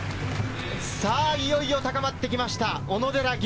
いよいよ高まってきました、小野寺吟